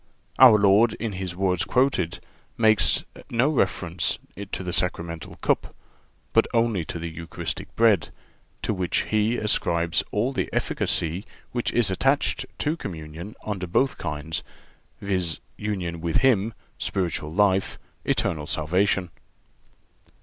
(378) Our Lord, in His words quoted, makes no reference to the sacramental cup, but only to the Eucharistic bread, to which He ascribes all the efficacy which is attached to communion under both kinds, viz., union with Him, spiritual life, eternal salvation.